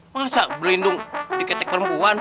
masa berlindung dikecek perempuan